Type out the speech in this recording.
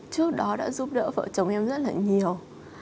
trước đó đã giúp đỡ vợ chồng em rất là nhiều